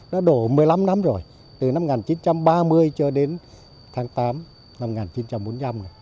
đã đổ một mươi năm năm rồi từ năm một nghìn chín trăm ba mươi cho đến tháng tám năm một nghìn chín trăm bốn mươi năm